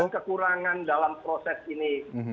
kekurangan dalam proses ini